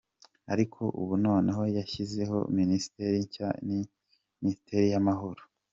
Ariko ubu noneho yashyizeho minisiteri nshya - minisiteri y'amahoro.